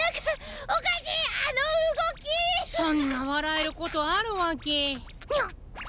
そんなわらえることあるわけ。